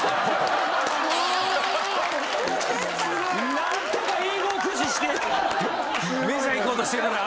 何とか英語を駆使して。